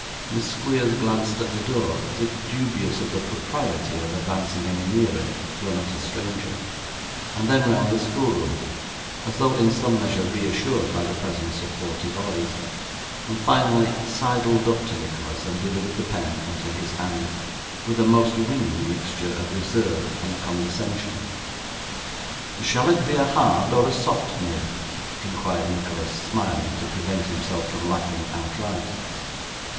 Miss Squeers glanced at the door, as if dubious of the propriety of advancing any nearer to an utter stranger; then round the schoolroom, as though in some measure reassured by the presence of forty boys; and finally sidled up to Nicholas and delivered the pen into his hand, with a most winning mixture of reserve and condescension. 'Shall it be a hard or a soft nib?' inquired Nicholas, smiling to prevent himself from laughing outright.